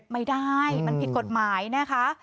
ไม่ได้มันผิดกฎหมายนะคะ